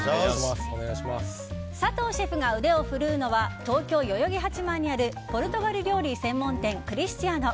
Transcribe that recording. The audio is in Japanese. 佐藤シェフが腕を振るうのは東京・代々木八幡にあるポルトガル料理専門店クリスチアノ。